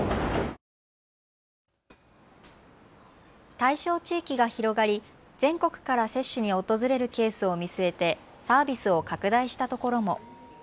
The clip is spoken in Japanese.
対象地域が広がり全国から接種に訪れるケースを見据えてサービスを拡大したところも。